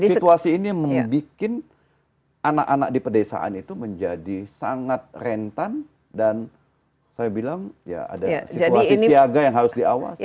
situasi ini membuat anak anak di pedesaan itu menjadi sangat rentan dan saya bilang ya ada situasi siaga yang harus diawasi